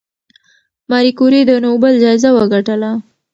ماري کوري د نوبل جایزه وګټله؟